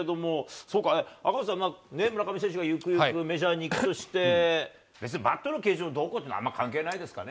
そうか、赤星さん、村上選手がゆくゆくメジャーに行くとして、別にバットの形状、どうこうっていうのはあまり関係ないですかね。